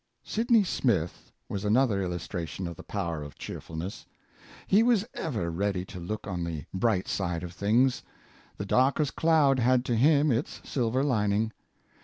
Sidney Smith was another illustration of the power of cheerfulness. He was ever ready to look on the bright side of things; the darkest cloud had to him its silver lining.